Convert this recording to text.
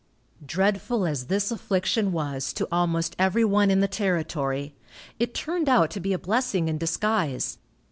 Dreadful as this affliction was to almost everyone in the territory, it turned out to be a blessing in disguise.